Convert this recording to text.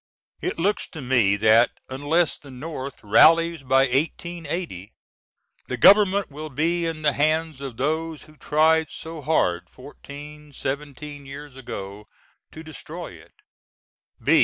It looks to me that unless the North rallies by 1880 the Government will be in the hands of those who tried so hard fourteen seventeen years ago to destroy it.